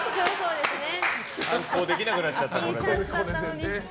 反抗できなくなっちゃった。